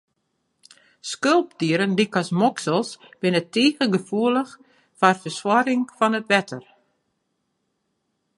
Skulpdieren lykas moksels, binne tige gefoelich foar fersuorring fan it wetter.